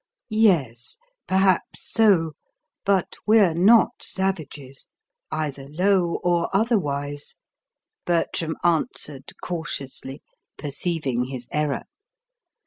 "Yes, perhaps so; but we're not savages, either low or otherwise," Bertram answered cautiously, perceiving his error.